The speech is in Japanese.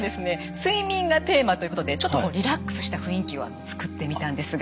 睡眠がテーマということでちょっとリラックスした雰囲気を作ってみたんですが。